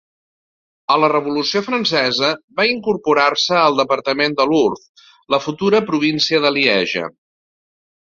A la revolució francesa va incorporar-se al departament de l'Ourthe, la futura província de Lieja.